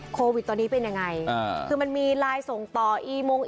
โควิดตอนนี้เป็นยังไงอ่าคือมันมีไลน์ส่งต่ออีมง